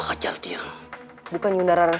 saya tidak mengenaliolved